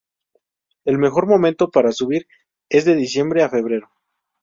El mejor momento para subir es de diciembre a febrero.